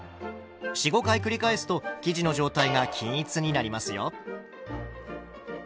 ４５回繰り返すと生地の状態が均一になりますよ。